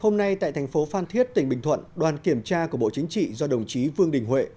hôm nay tại thành phố phan thiết tỉnh bình thuận đoàn kiểm tra của bộ chính trị do đồng chí vương đình huệ